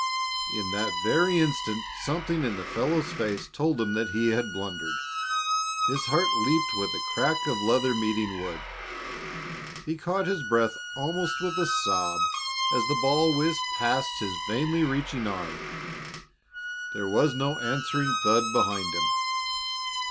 In that very instant something in the fellow's face told him that he had blundered. His heart leaped with the crack of leather meeting wood; he caught his breath almost with a sob as the ball whizzed past his vainly reaching arm. There was no answering thud behind him.